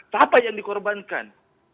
siapa yang dikorbankan